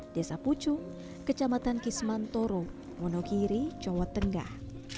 desa pucu kecamatan kismantoro monogiri jawa tengah